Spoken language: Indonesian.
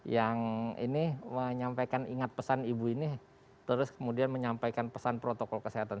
yang ini menyampaikan ingat pesan ibu ini terus kemudian menyampaikan pesan protokol kesehatan